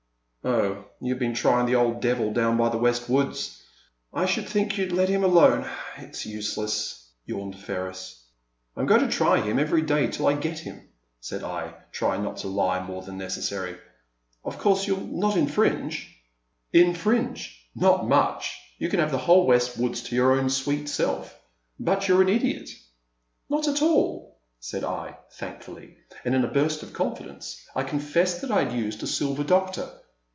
Oh, you*ve been trying that old devil down by the west woods ! I should think you 'd let him alone ; it *s useless," yawned Ferris. I 'm going to try for him every day till I get him," said I, trying not to lie more than neces sary :'* Of course you 41 not infringe ?'' I02 The Silent Land. 103 " Infringe I Not much ! You can have the whole west woods to your own sweet self; but you're an idiot !" ''Not at all/' said I, thankfully; and in a burst of confidence I confessed that I had used a Silver Doctor.